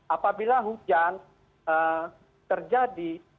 apabila hujan terjadi